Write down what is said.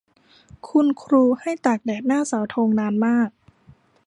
คุณครูให้ตากแดดหน้าเสาธงนานมาก